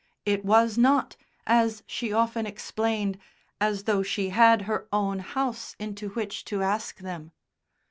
It was not, as she often explained, as though she had her own house into which to ask them.